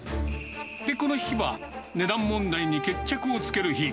で、この日は値段問題に決着をつける日。